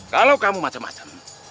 kalau kamu macam macam